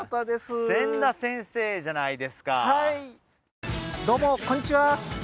千田先生じゃないですかはいどうもこんちはっす！